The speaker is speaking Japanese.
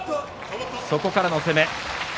そこからの攻め。